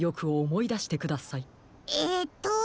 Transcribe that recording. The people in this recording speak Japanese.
えっと。